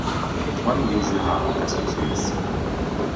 Trois nouveaux jurats remplaceront celui-ci.